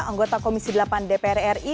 anggota komisi delapan dpr ri